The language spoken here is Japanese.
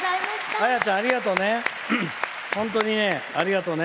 綾ちゃんありがとうね。